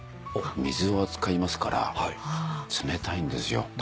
水を扱いますから冷たいんですよ。